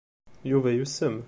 Yuba yusem.